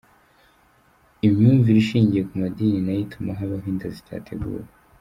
Imyumvire ishingiye ku madini nayo ituma habaho inda zitateguwe.